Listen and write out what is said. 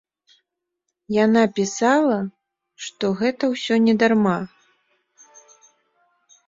Яна пісала, што гэта ўсё не дарма.